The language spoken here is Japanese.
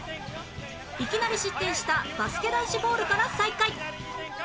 いきなり失点したバスケ男子ボールから再開